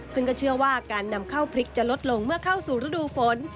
ซึ่งก็เชื่อว่าการนำเข้าพริกจะลดลงเมื่อเข้าสู่ฤดูฝน